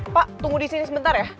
pak tunggu di sini sebentar ya